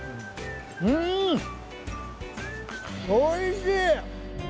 うんおいしい！